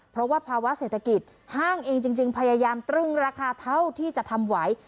เพราะว่าภาวะเศรษฐกิจห้างเองจริงพยายามตรึงราคาเท่าที่จะทำไหว